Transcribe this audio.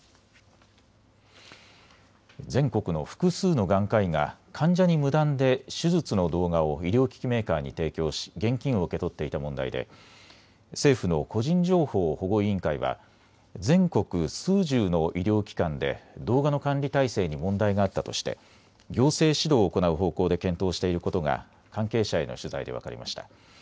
全国の複数の眼科医が患者に無断で手術の動画を医療機器メーカーに提供し現金を受け取っていた問題で政府の個人情報保護委員会は全国数十の医療機関で動画の管理体制に問題があったとして行政指導を行う方向で検討していることが関係者への取材で分かりました。